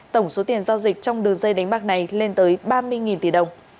tổng số tiền giao dịch trong đường dây đánh bạc này lên tới ba mươi tỷ đồng